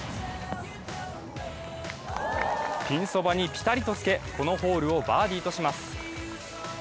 ピンそばにピタリとつけ、このホールをバーディーとします。